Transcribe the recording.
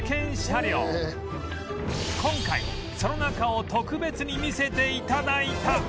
今回その中を特別に見せて頂いた！